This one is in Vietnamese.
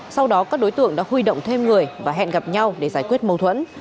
sau đó các đối tượng đã huy động thêm người và hẹn gặp nhau để giải quyết mâu thuẫn